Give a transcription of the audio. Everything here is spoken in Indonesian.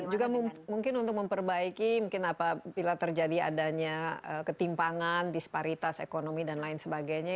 juga mungkin untuk memperbaiki mungkin apabila terjadi adanya ketimpangan disparitas ekonomi dan lain sebagainya